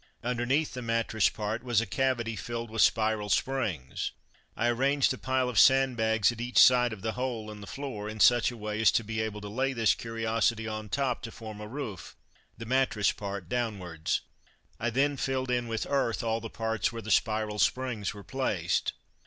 Underneath the mattress part was a cavity filled with spiral springs. I arranged a pile of sandbags at each side of the hole in the floor in such a way as to be able to lay this curiosity on top to form a roof, the mattress part downwards. I then filled in with earth all the parts where the spiral springs were placed.